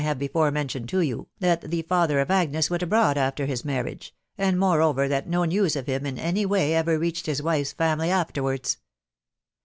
litve before mentioned to you, that the father of Agnes went Abroad after his marriage, and moreover that no newa»of him in any way ever reached his wife's family afterwards."